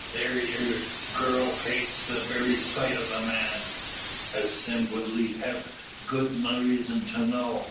That ere gurl hates the very sight o' the man, as Sime Woodley hev' good reason to know.